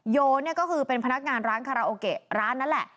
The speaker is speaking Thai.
โยเนี่ยก็คือเป็นพนักงานร้านคาราโอเกะร้านนั้นแหละ